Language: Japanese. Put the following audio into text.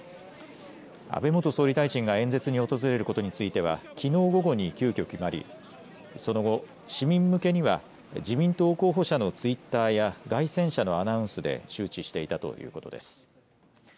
安倍元総理大臣が演説に訪れることについてはきのう午後に急きょ決まりその後、市民向けには自民党候補者のツイッターや街宣車のアナウンスで周知していたということです。